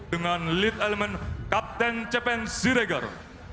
dengan lead elemen kapten cepeng ziregar